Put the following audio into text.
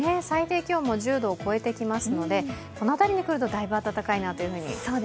最低気温も１０度を超えてきますのでこの辺りに来るとだいぶ暖かいなと。